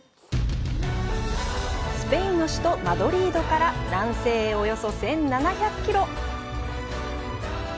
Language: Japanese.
スペインの首都マドリードから南西へ、およそ１７００キロ。